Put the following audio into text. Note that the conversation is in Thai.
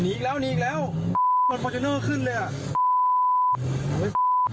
อีกแล้วมันพอเชอเนอร์ขึ้นเลยอ่ะ